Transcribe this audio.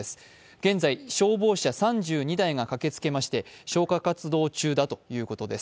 現在、消防車３２台が駆けつけまして、消火活動中だということです。